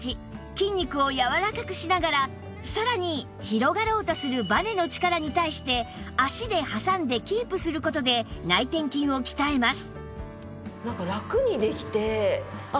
筋肉をやわらかくしながらさらに広がろうとするバネの力に対して脚で挟んでキープする事で内転筋を鍛えます